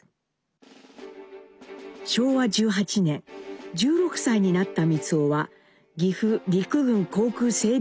昭和１８年１６歳になった光男は岐阜陸軍航空整備